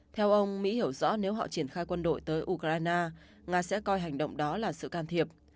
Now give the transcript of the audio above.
theo ông mỹ hiểu rõ nếu họ triển khai quân đội tới ukraine nga sẽ coi hành động đó là sự can thiệp